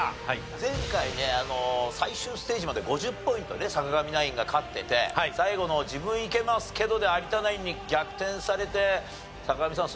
前回ね最終ステージまで５０ポイントね坂上ナインが勝ってて最後の「自分イケますけど！」で有田ナインに逆転されて坂上さん